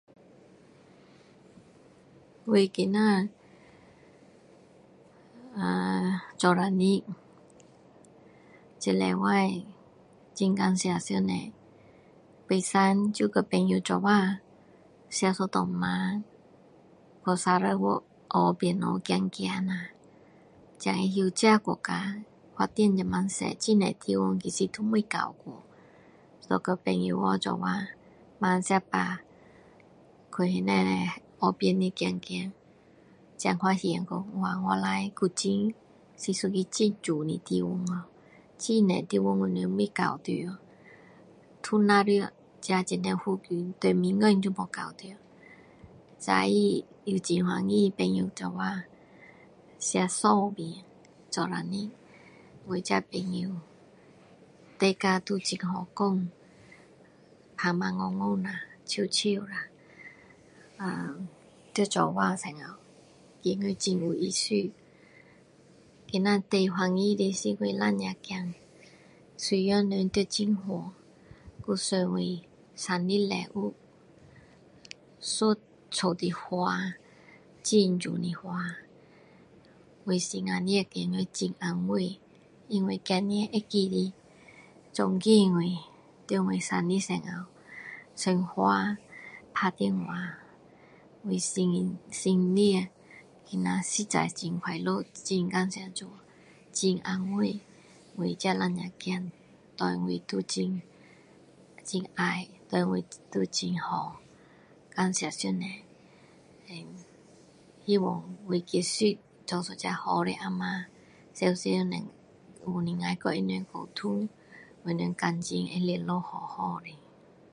我今天做生日，这星期很感谢上帝，拜三就跟朋友一起吃一顿晚，去sarawak河旁边走走啦，才知道自己国家发展这么多很多地方其实都没去过，跟朋友婆一起晚吃饱去那边河边走走才发现说哇原来古晋是很美的地方，很多地方我们都没到过，都在那我们这附近，对面江都没到过，早上很高兴和朋友一起吃寿面做生日跟我自己朋友，大家都很好讲，谈谈讲下在一起的时候，真的很有意思，今天最开心的是就是两个孩，虽然都在很远，都送我礼物一束花，很美的花，我心里面觉得很安慰，因为他们尊敬我，在我生日的时候送花打电话，我心里实在是很快乐平安，很安慰，我这两个孩对我都很爱，对我很好，感谢上帝，希望我其实做一个好的阿妈，不能够和他们常常沟通，感情依然好好的，